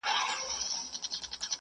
د ویالو په څېر یې ولیدل سیندونه !.